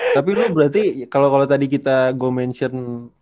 tapi lu berarti kalau tadi kita go mention